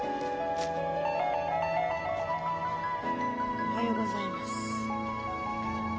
おはようございます。